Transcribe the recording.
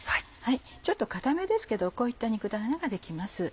ちょっと硬めですけどこういった肉ダネが出来ます。